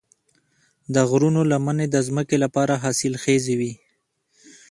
د غرونو لمنې د ځمکې لپاره حاصلخیزې وي.